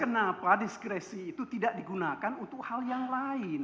kenapa diskresi itu tidak digunakan untuk hal yang lain